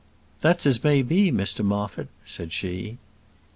"That's as may be, Mr Moffat," said she.